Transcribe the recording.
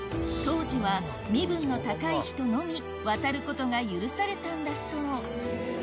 当時は身分の高い人のみ渡ることが許されたんだそう